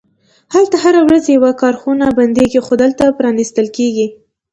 هلته هره ورځ یوه کارخونه بندیږي، خو دلته پرانیستل کیږي